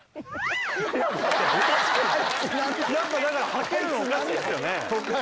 ハケるのおかしいっすよね。